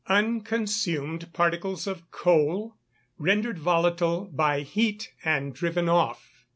_ Unconsumed particles of coal, rendered volatile by heat, and driven off.